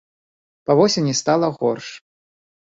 Па восені стала горш.